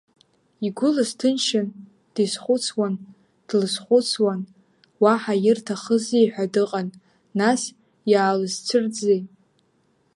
Игәы лызҭынчын, дизхәыцуан, длызхәыцуан, уаҳа ирҭахызи ҳәа дыҟан, нас иаалызцәырҵзеи?!